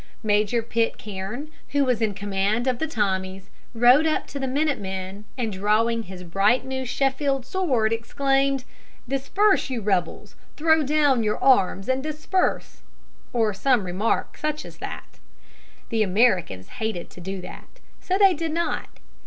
Major Pitcairn, who was in command of the Tommies, rode up to the minute men, and, drawing his bright new Sheffield sword, exclaimed, "Disperse, you rebels! throw down your arms and disperse!" or some such remark as that. The Americans hated to do that, so they did not.